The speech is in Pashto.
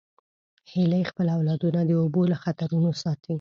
هیلۍ خپل اولادونه د اوبو له خطرونو ساتي